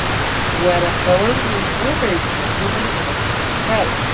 Warakawanmi unay nunakuna amachakulkalqa.